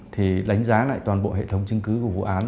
thì đánh giá lại toàn bộ hệ thống chứng cứ của vụ án